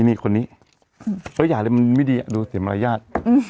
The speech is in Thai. นี่คนนี้ตัวอย่างเลยมันไม่ดีดูเสียงมารยาท